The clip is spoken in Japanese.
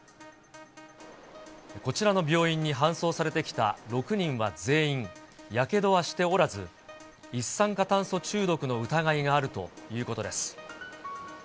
こちらの病院に搬送されてきた６人は全員、やけどはしておらず、一酸化炭素中毒の疑いがあるということです。